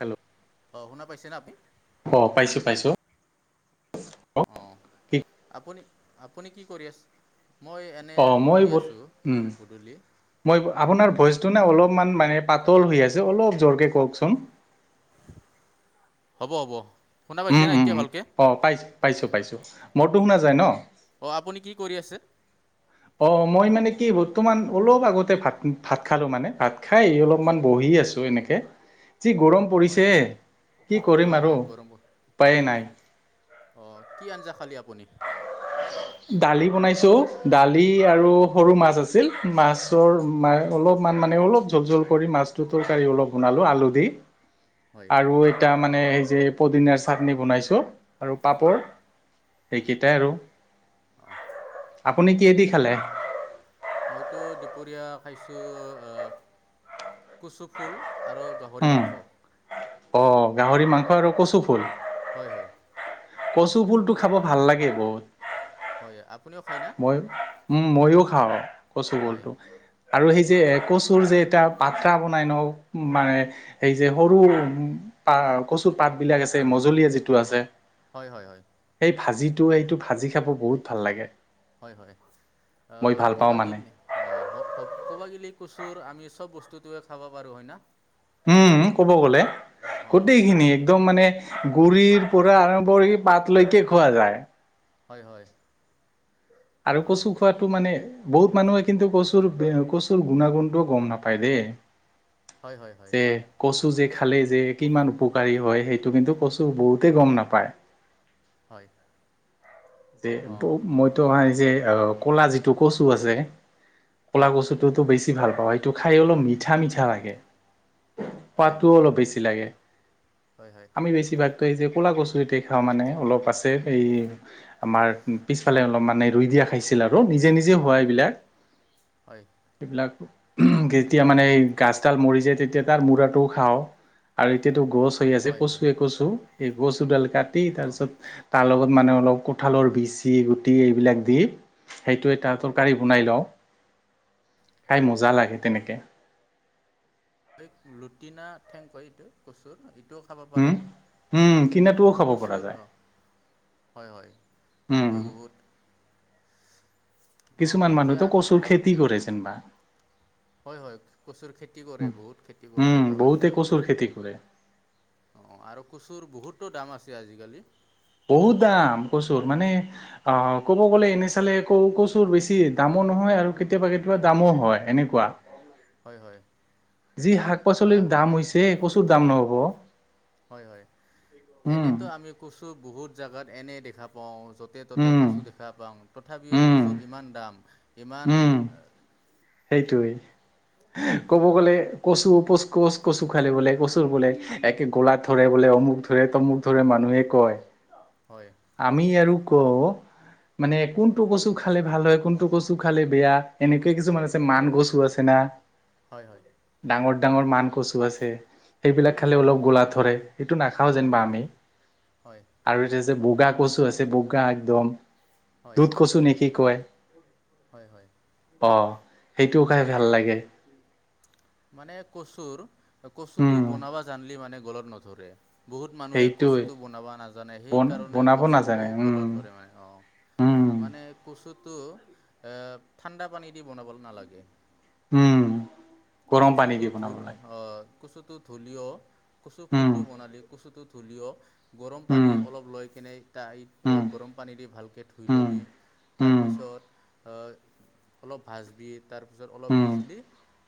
Hello. অ শুনা পাইছে নে আপুনি? অ' পাইছো, পাইছো। অ, কি আপুনি, আপুনি কি কৰি আছে? মই এনে অ' মই বহি আছোঁ উম গধূলি মই আপোনাৰ ভইচটো নে অলপমান মানে প পাতল হৈ আছে অলপ জোৰকে কওকচোন। হ'ব, হ'ব। শুনা পাইছে ন এতিয়া ভালকে? পাইছোঁ, পাইছোঁ। মৰটো শুনা যায় ন। অ' আপুনি কি কৰি আছে? অ' মই মানে কি বৰ্তমান অলপ আগতে ভাত, ভাত খালো মানে ভাত খাই অলপমান বহি আছো এনেকে যি গৰম হয় পৰিছে। কি কৰিম হয় আৰু উপায়েই নাই। অঁহ। কি আঞ্জা খালী আপুনি? দালি বনাইছো। দালি আৰু সৰু মাছ আছিল মাছৰ ম অলপমান মানে অলপ জোল-জোল কৰি মাছটো তৰকাৰি অলপ বনালো আলু দি। হয় আৰু এটা মানে সেই যে পদিনাৰ চাটনি বনাইছো আৰু হয় পাপৰ এইকেইটাই আৰু। অঁ আপুনি কিহে দি খালে? মইতো দুপৰীয়া খাইছো আ কচু ফুল আৰু গাহৰি উম, মাংস। অ, গাহৰি মাংস আৰু কচু ফুল? হয়-হয়। কচু ফুলটো খাব ভাল লাগে বহুত। হয় আপুনিও খায় না? মই উম, মইয়ো খাওঁ কচু হয় ফুলটো। আৰু সেই যে কচুৰ যে এটা পাত্ৰা বনাই ন? মানে সেই যে সৰু উ- পা, কচু পাত বিলাক আছে, মজলীয়া যিটো আছে। হয় হয় হয়। সেই ভাজিটো এইটো, ভাজি খাব বহুত ভাল লাগে। হয় হয়। মই অহ ভাল পাওঁ ক'বা মানে। গেলি, নে, অ ক, ক'বা গেলি- কচুৰ আমি চব বস্তুটোৱে খাব পাৰোঁ হয় না? উম্। ক'ব গ'লে অঁ গোটেইখিনি একদম মানে- গুৰিৰ পৰা আৰম্ভ কৰি পাত লৈকে খোৱা যায়। হয় হয়। আৰু অঁ কচু খোৱাটো মানে- বহুত মানুহে কিন্তু কচুৰ, কচুৰ গুণাগুণটোও গম নাপায় দেই। হয় হয় হয় যে কচু- কচু যে খালে যে কিমান উপকাৰী হয়, সেইটো কিন্তু কচু বহুতে গম নাপায়। হয়। যে অঁ মইতো ভাই যে, অহ ক'লা যিটো কচু আছে ক'লা হয় কচুটোতো বেছি ভাল পাওঁ, সেইটো খাই অলপ মিঠা মিঠা লাগে। হয় পাতো অলপ বেছি লাগে। হয় আমি বেছিভাগতো এই যে ক'লা কচু এতে খাওঁ মানে অলপ আছে এই আমাৰ পিছফালে অলপ মানে ৰুই দিয়া খাইছিল আৰু নিজে নিজে হোৱা এইবিলাক। হয় হয় সেইবিলাক যেতিয়া মানে গাছডাল মৰি যায় তেতিয়া তাৰ মূৰাটোও খাওঁ আৰু এতিয়া এইটো গছ হৈ আছে হয় হয় কচুৱে কচু। এই গছোডাল কাটি, তাৰ অঁ পিছত তাৰ লগত মানে অলপ ক কঁঠালৰ বিচি, গুটি এইবিলাক দি সেইটো এটা তৰকাৰী বনাই লওঁ। খাই মজা লাগে তেনেকে। হয় লুটিনা ঠেং কয় এইটো কচুৰ? এইটোও খাব পাৰে হম, না হম কিনাটোও খাব পৰা কচুৰ যায়। অঁ হয়, হয়। উম ইটোও বহুত। অঁ কিছুমান এতিয়া মানুহতো আমি কচুৰ কথা পা- খেতি কৰেছেন বা। হয় হয় কচুৰ খেতি কৰে, বহুত খেতি কৰা উম, দেখা বহুতে পাইছো। অ কচুৰ খেতি কৰে। আৰু কচুৰ বহুতো দাম আছে আজিকালি। বহুত দাম কচুৰ, মানে অ ক'ব গ'লে এনে চালে ওল কচুৰ বেছি দামো নহয় আৰু কেতিয়াবা কেতিয়াবা দামো হয়, এনেকুৱা। হয়, হয়। যি শাক পাচলিৰ আহ, দাম হৈছে, কচুৰ দাম নহব? হয়, হয়। উম, এনেতো আমি কচু বহুত জাগাত এনে দেখা পাওঁ। ত'তে ত'তে উম, কচু দেখা পাওঁ, তথাপিও উম। কচুৰ ইমান দাম ইমান সেইটোৱেই, হয় ক'ব গলে কচু পোচ কচ কচু খালে বোলে, কচুৰ বোলে একে গোলাত ধৰে বোলে অমুক ধৰে তমুক ধৰে মানুহ মানুহে কয়। হয় আমি আৰু ক মানে কোনটো কচু খালে ভাল হয় কোনটো কচু খালে বেয়া এনেকুৱে কিছুমানানে? মান গছো আছে না? হয়, হয় ডাঙৰ ডাঙৰ মান কচু আছে। সেইবিলাক খালে হয় অলপ গোলা ধৰে। সেইটো নাখাওঁ হয় যেনিবা আমি। হয় আৰু এ বগা কচু আছে বগা একদম। হয় দুধ কচু নেকি কয়। হয়, হয়। অ', সেইটোও খাই ভাল লাগে। মানে কচুৰ কচুটো উম বনাবা জানলি মানে গলত নধৰে বহুত মানুহে সেইটোৱে কচুটো বনাব নাজানে বন সেইকাৰণে বনাব নাজানে কচুটো উম গলত ধৰে মানে, উম অ। মানে কচুটো এ ঠাণ্ডা পানী দি বনাব নালাগে। উম গৰম পানী কচুটো দি বনাব ধুল, লাগে অ', কচুটো ধঢলিও কচু ফুল উম টো বনালি কচুটো ডুলিয় গৰম পানী উম অলপ লৈ কেনে তাই উম গৰম পানী দি ভালকৈ ধুই উম ল'বি। উম তাৰপিছত অলপ ভাজবি, তাৰপিছত অলপ উম সিজিলি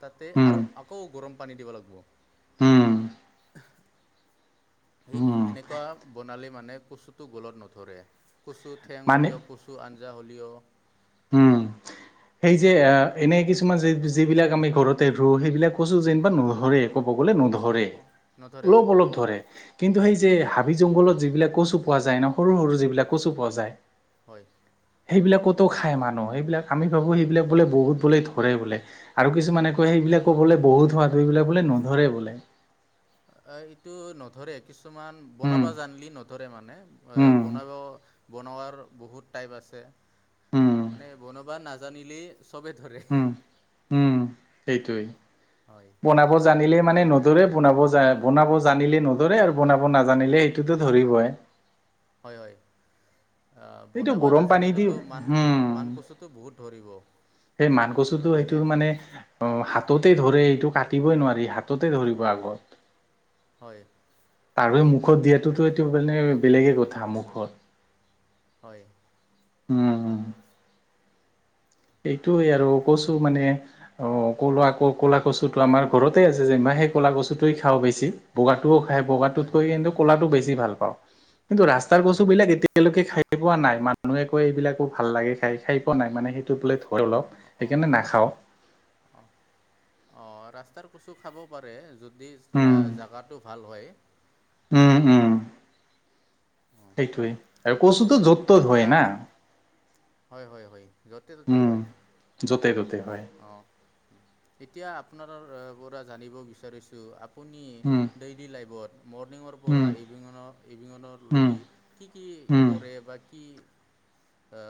তাতে উম, আৰু আকৌ গৰম পানী দিব উম, লাগিব। সেই উম, এনেকুৱা বনালী মানে কচুটো গলত নধৰে। কচু ঠেং মানে হ'লেও কচু আঞ্জা হ'লেও উম। সেই যে এনে কিছুমান যিবিলাক আমি ঘৰতে ৰুওঁ সেইবিলাক কৈছো যেনিবা নধৰে ক'ব কবল নধৰে হয়তো নধৰে েঅ কিন্তু হয় সেই হাবি জঘলত যিলাক কচু পোৱা যায় ন সৰু সৰু যিবিলাক কচু পোৱা যায় হয় সেইবিলাকত খাই মানুহ সেইবিলাক আমি ভাবো সেইবিলাক বোলে বহুত বোলে ধৰে বোলে আৰু কিছুমানে কয় সেইবিলাক ক'বলে বহুত হোৱা ধুইবিলাক বোলে নোধৰে বোলে অ এইটো নধৰে কিছু কিছুমান উম, বনাবা জানলি নধৰে মানে এ উম, বনাব বনোৱাৰ বহুত টাইপ আছে উম, মানে বনাবা নাজানিলেই চব ধৰে সেইটোৱে হয় বনাব জানিলে মানে নধৰে বনাব বনাব জানিলে নধৰে আৰু বনাব নাজানিলে সেইটোতো ধৰিবই হয় হয় অ এইটো বনাব গৰম পানী দি নাজানিলোতো মান উম মানকচুটো বহুত ধৰিব সেই মান কচু সেইটো হয়নে মানে অ হাতত তে ধৰে এইটো কাটিবই নোৱাৰি হাততে ধৰিব আগত হয় তাৱে মুখত দিয়াতটোতো এইটো মানে বেলেগে কথা মুখত হয় উম এইটোয়ে আৰু কচু মানে অ কলা ক ক'লা কচুটো আমাৰ ঘৰতে আছে যে ইমান সেই ক'লা কছুতোৱই খাওঁ বেছি বগাটোও খাই হয় বগাটোতকৈ হয় কিন্তু ক'লাতটো বেছি ভাল পাওঁ কিন্তু ৰাস্তাৰ হয় হয় কচু হয় বিলাক এতিয়ালৈকে খাই খ পোৱা নাই মানুহে কৈ এইবিলাকো ভাল লাগে খাই খাই পোৱা নাই মানে সেইটো বোলে অলপ অঁ সেইকাৰণে নাখাওঁ অঁ অঁ ৰাস্তাৰ কচু খাব পাৰে যদি উম জগাটো ভাল হয় উম উম অঁ সেইটোৱেই আৰু কচুটো এত- য'ত ত'ত এতিয়া হয় না হয় হয় হয় য'তে ত'তে উম হয় য'তে যতেই অ' এতিয়া আপোনাৰ পৰা জানিব বিচাৰিছো আপুনি উম ডেইলী লাইফত মৰ্ণিঙৰ পৰা উম ইভিনিঙৰ ইভিনিঙৰ উম লগী কি কি উম কৰে বা কি অ,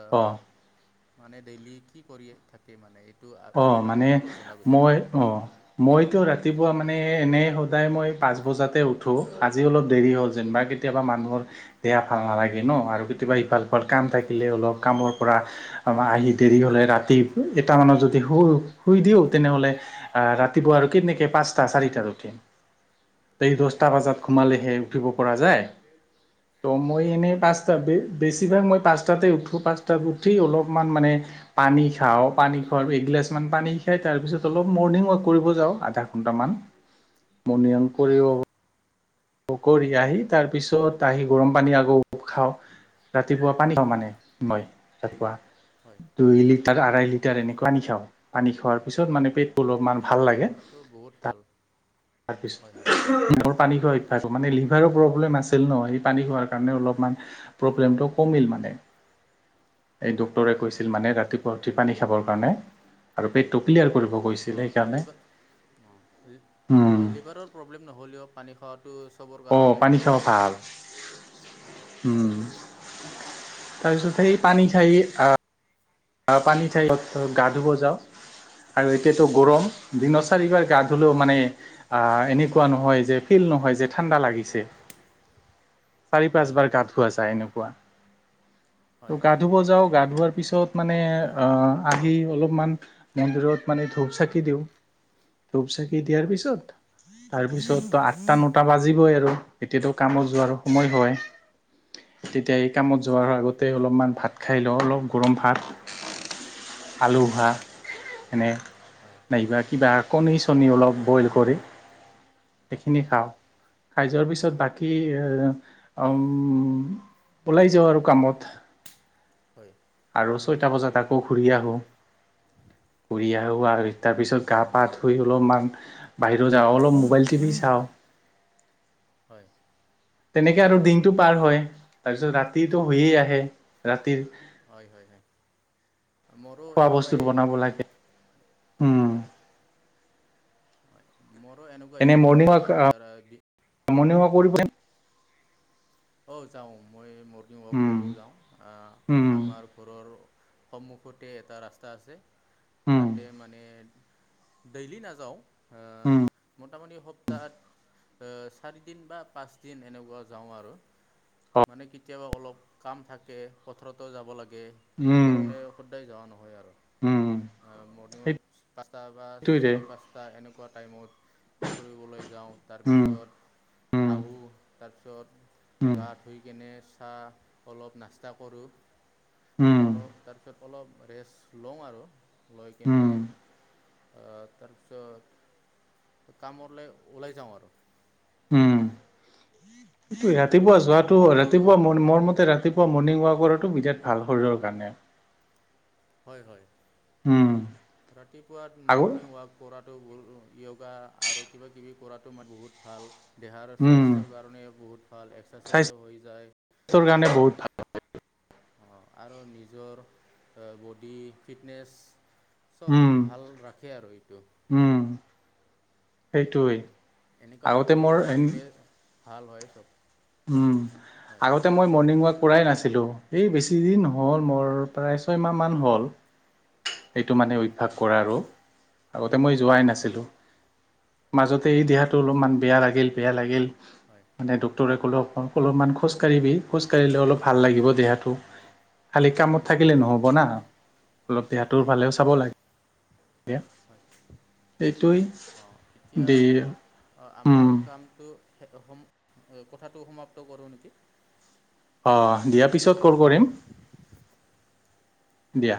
মানে ডেইলি কি কৰি থাকে মানে এই অ, মানে মই অ, মইতো ৰাত ৰাতিপুৱা মানে এনেই সদায় মই পাঁচ বজাতে উঠোঁ আজি অলপ দেৰি হ'ল যেনিবা কেতিয়াবা মানুহৰ দিয়া ভাল নালাগে ন' আৰু কেতিয়াবা ইফাল সিফাল কাম থাকিলে হ'ল হয় অ, কামৰ পৰা [unintelligible] আহি দেৰি হলে ৰাতি এটা মানত জদ তে শু-শুই দিওঁ তেনেহ'লে আহ ৰাতিপুৱা আৰু কেনেকে পাঁচটা - চাৰিটাত উঠিম? তে এই দছটা হয় বজাত ঘোমালেহে উঠিব পৰা যায়। ত মই হয় এনেই পাঁচটা দি বেছিভাগ মই পাঁচটাতে উঠোঁ পাঁচটাত উঠি অলপমান মানে পানী খাওঁ পানী [unintelligible] এগিলাচ মান পানী খাই তাৰপিছত অলপ মৰ্ণিং ৱাক কৰিব যাওঁ আধা ঘন্টামান। মনিয়ম হয় কৰিয় কৰি আহি তাৰপিছত আহি গৰম পানী আকৌ খাওঁ ৰাতিপুৱা পানী খওঁ মানে মই ৰাতিপুৱা হয় দুই লিটাৰ আঢ়াই লিটাৰ এনেকোৱা আনি খাওঁ পানী খোৱাৰ পিছত মানে পেট টো অলপমান ভাল অঁ লাগে এনেকুৱাতো বহুত তা ভাল তাৰ পিছ হয় হয় মোৰ পানী মানে লিভাৰো প্ৰব্লেম আছিল ন সেই পানী খোৱাৰ কাৰণে অলপমান প্ৰব্লেমটো কমিল মানে [inaudible] এই ডক্তৰে হয় হয় কৈছিল মানে ৰাতিপুৱা উঠি পানী খাবৰ কাৰণে আৰু পেটটো ক্লিয়াৰ কৰিব কৈছিল অঁ সেইকাৰণে অ উম, লিভাৰৰ প্ৰব্লেম নহ'লেও পানী খোৱাটো চবৰ অ কাৰণেই পানী ভাল খাব অঁ হয় উম তাৰপিছত সেই পানী খাই আহ আহ পানী ঠাইত গা ধুব যাওঁ আৰু এতিয়াতো গৰম দিনৰ চাৰিবাৰ গা ধুলেও মানে এনেকুৱা নহয় যে ফিল নহয় যে ঠাণ্ডা লাগিছে [inaudible] চাৰি পাঁচ হয় বাৰ গা ধোৱা যায় এনেকুৱা হয় গা ধুব যাওঁ গা ধোৱাৰ পিছত মানে আহ আহি অলপমান মন্দিৰত মানে ধূপ চাকি দিওঁ ধপ চাকি দিয়াৰ হয় পিছত তাৰ পিছত আঠটা নটা বাজিবই আৰু এতিয়াতো কাম যোৱা আৰু সময় হয় তেতিয়া এই কামত যোৱাৰ আগতে অলপমান ভাত খাই লওঁ অলপ গৰম ভাত আলু হয় ভা এনে হয় নাইবা কিবা কণী চণী অলপ বইল কৰি সেইখিনি হয় খাওঁ। খাই যোৱাৰ পিছত বাকী উম। ওলাই যাওঁ আৰু কামত। হয়। আৰু ছয়টা বজাত আকৌ ঘূৰি আহোঁ। ঘূৰি আহোঁ আৰু তাৰপিছত গা পা ধুই অলপমান বাহিৰত যাওঁ। অলপ মোবাইল টিভি চাওঁ। হয়। তেনেকে আৰু দিনটো পাৰ হয়। তাৰপিছত ৰাতিটো হৈয়ে আহে ৰাতিৰ হয়, হয়, হয়। মোৰো খোৱা বস্তুত এনেকুৱাই বনাব লাগে। উম হয়, হয়। মোৰো এনেকুৱাই মইয়ো ৰাগি মনিং ওৱাৰাক কৰিবনে? অ' যাওঁ মই মৰ্ণিং ৱাক কৰিব যাওঁ। উম আমাৰ ঘৰৰ সন্মুখতে এটা ৰাস্তা আছে, উম তাতে মানে ডেইলি নাযাওঁ। উম। তাৰমানানে সপ্তাহত চাৰি দিন বা পাঁচ দিন এনেকুৱা যাওঁ আৰু মানে কেতিয়াবা অলপ কাম থাকে। পথাৰতো যাব লাগে উম সেইকাৰণে সদায় যোৱা নহয় উম আৰু। মৰ্ণিংত পচটা বা সেইটোৱে চাৰে পাঁচটা এনেকুৱা টাইমত ফুৰিবলৈ যাওঁ। উম তাৰপিছত উম আহো তাৰপিছত উম গা ধুই কেনে চাহ অলপ নাস্তা কৰোঁ উম তাৰপিছত অলপ ৰেষ্ট লওঁ আৰু। লৈ কিনে উম আহ, তাৰপিছত কামৰলৈ ওলাই যাওঁ আৰু। উম আৰু ৰাতিপুৱা যোৱাটো গধূলিটো ৰাতিপুৱা ম মোৰ মতে ৰাতিপুৱা মৰ্ণিং ৱাক কৰাটো বিৰাট ভাল শৰীৰৰ কাৰণে। হয়, হয়। উম ৰাতিপুৱাত আগৰ মৰ্ণং ৱাক কৰাটো য়োগা আৰু কিবা-কিবি কৰাতো মাত বহুত ভাল। দেহা আৰু উম স্বাস্থ্যৰ কাৰণে বহুত ভাল। এক্সাৰচাইজো হৈ যায় স্বাস্থ্যৰ কাৰণে বহুত ভাল [unintelligible] অহ 'আৰু নিজৰ বডি ফিটনেছ চব উম ভাল ৰাখে আৰু এইটো উম সেইটোৱেই। এনেকুৱা আগতে কৰিব মোৰ পাৰিলে ভাল হয় চব। উম। হয় আগতে মই মৰ্ণিং ৱাক কৰাই নাছিলোঁ। এই বেছি দিন হ'ল মোৰ প্ৰায় ছয়মাহ মমান হ'ল। সেইটো মানে অভ্যাস হয় কৰা আৰু। আ মই যোৱাই হয় নাছিলো। মাজতে এই অঁ দেহাটো অলপমান বেয়া লাগিল, বেয়া লাগিল হয় মানে দু ডাক্তৰে ক'লে অ' অলপমান খোজকাঢ়িবি। খোজ কাঢ়িলে অলপ ভাল লাগিব দেহাটো খালি কামত হয় থাকিলে নহব না অলপ দেহাতটো হয় হয় ফালেও চাব লাগে হয় [inaudible] এইটোৱেই অঁ এতিয়া দি সম কথাটো সমাপ্ত কৰোঁ নেকি? অ' দিয়া হয় পিছত কল কৰিম। দিয়া।